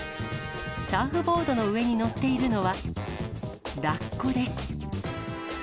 サーフボードの上に乗っているのは、ラッコです。